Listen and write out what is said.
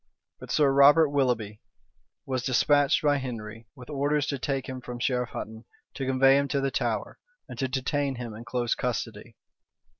But Sir Robert Willoughby was despatched by Henry with orders to take him from Sherif Hutton, to convey him to the Tower, and to detain him in close custody.